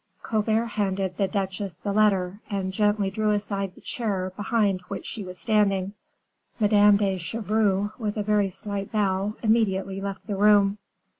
Colbert handed the duchesse the letter, and gently drew aside the chair behind which she was standing; Madame de Chevreuse, with a very slight bow, immediately left the room.